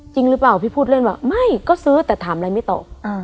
จริงหรือเปล่าพี่พูดเล่นว่าไม่ก็ซื้อแต่ถามอะไรไม่ตอบ